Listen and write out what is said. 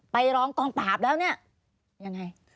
ไปร้องกองปราบแล้วเนี่ยยังไง